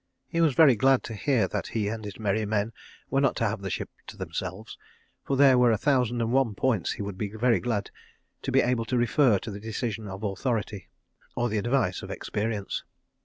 He was very glad to hear that he and his merry men were not to have the ship to themselves, for there were a thousand and one points that he would be very glad to be able to refer to the decision of Authority, or the advice of Experience.